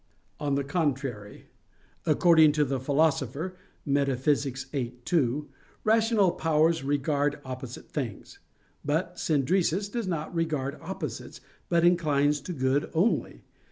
On the contrary, According to the Philosopher (Metaph. viii, 2), "rational powers regard opposite things." But "synderesis" does not regard opposites, but inclines to good only.